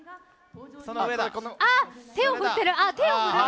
手を振っている。